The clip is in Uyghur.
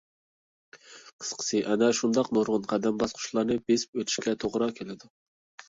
قىسقىسى، ئەنە شۇنداق نۇرغۇن قەدەم - باسقۇچىلارنى بېسىپ ئۆتۈشكە توغرا كېلىدۇ.